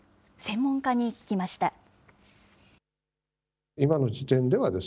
専門家に聞きました。